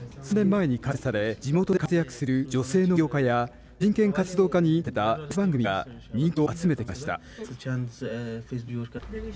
３年前に開設され地元で活躍する女性の起業家や人権活動家に焦点をあてたニュース番組が人気を集めてきました。